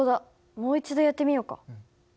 もう一度やってみようか。